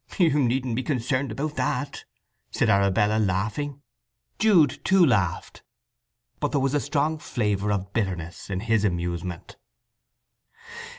"You needn't be concerned about that," said Arabella, laughing. Jude too laughed, but there was a strong flavour of bitterness in his amusement.